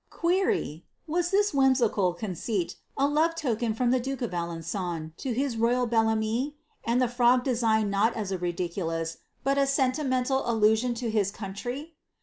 ' Queiy, was this whim sical conceit a love token from the duke of Alengou to his royal hcV ame^ and the frog designed not as a ridiculous, bui a sentimental allu sion to his country